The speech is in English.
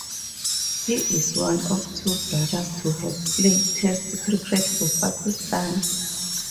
He is one of two brothers to have played test cricket for Pakistan.